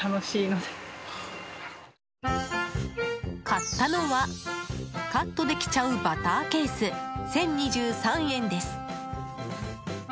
買ったのはカットできちゃうバターケース１０２３円です。